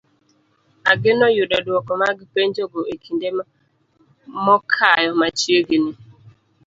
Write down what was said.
Ageno yudo dwoko mag penjogo e kinde mokayo machiegni.